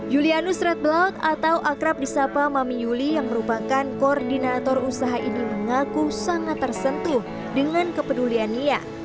julianus redblood atau akrab disapa mami yuli yang merupakan koordinator usaha ini mengaku sangat tersentuh dengan kepedulian nia